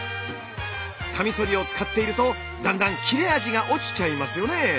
カミソリを使っているとだんだん切れ味が落ちちゃいますよね。